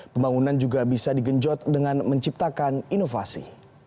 pembangunan juga bisa digenjot dengan menciptakan inovasi